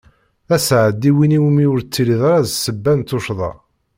D aseɛdi win iwumi ur ttiliɣ ara d ssebba n tuccḍa.